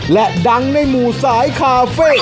และดังในหมู่สายคาเฟ่